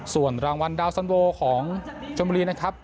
ส่วนรางวัลดาวสันโวของชมบุรีนะครับ